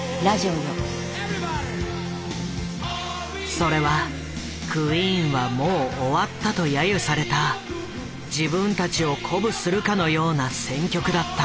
それは「クイーンはもう終わった」と揶揄された自分たちを鼓舞するかのような選曲だった。